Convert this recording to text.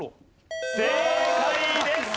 正解です！